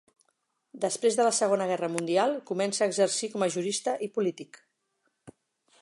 Després de la Segona Guerra Mundial comença a exercir com a jurista i polític.